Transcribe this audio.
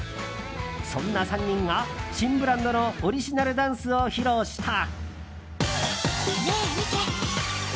そんな３人が、新ブランドのオリジナルダンスを披露した。